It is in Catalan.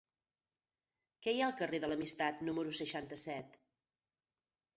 Què hi ha al carrer de l'Amistat número seixanta-set?